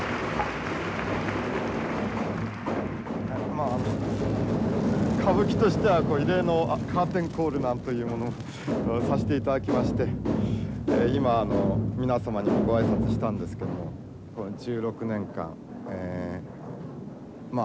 まあ歌舞伎としては異例のカーテンコールなんていうものをさせて頂きまして今皆様にもご挨拶したんですけども１６年間えま